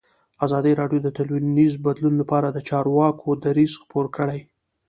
ازادي راډیو د ټولنیز بدلون لپاره د چارواکو دریځ خپور کړی.